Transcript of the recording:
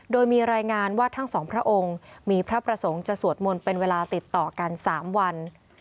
โดยมีรายงานว่าทั้งสองพระองค์มีพระประสงค์จะสวดมนต์เป็นเวลาติดต่อกัน๓วัน